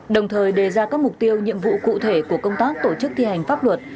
đồng thời đề ra các mục tiêu nhiệm vụ cụ thể của công tác tổ chức thi hành pháp luật